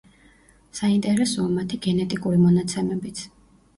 საინტერესოა მათი გენეტიკური მონაცემებიც.